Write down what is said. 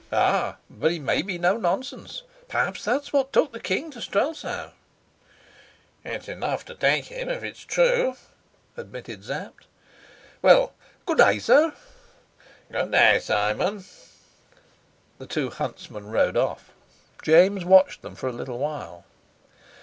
"Ah, but it may be no nonsense. Perhaps that's what took the king to Strelsau." "It's enough to take him if it's true," admitted Sapt. "Well, good day, sir." "Good day, Simon." The two huntsmen rode off. James watched them for a little while.